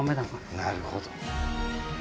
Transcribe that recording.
なるほど。